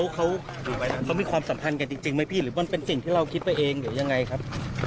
เขามีความสัมพันธ์กันจริงไหมพี่หรือมันเป็นสิ่งที่เราคิดไปเองหรือยังไงครับ